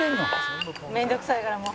「面倒くさいからもう」